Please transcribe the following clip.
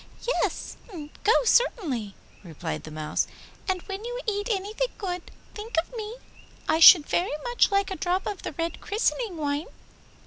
'Yes, go certainly,' replied the Mouse, 'and when you eat anything good, think of me; I should very much like a drop of the red christening wine.